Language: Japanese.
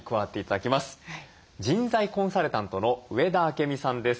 人材コンサルタントの上田晶美さんです。